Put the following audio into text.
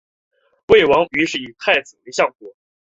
魏王于是以太子为相国。